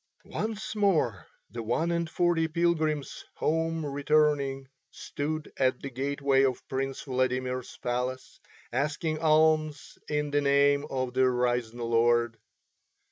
Once more the one and forty pilgrims home returning stood at the gateway of Prince Vladimir's palace, asking alms in the name of the Risen Lord.